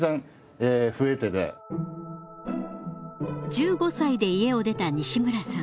１５歳で家を出た西村さん。